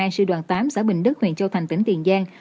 trung đoàn tám xã bình đức huyện châu thành tỉnh tiền giang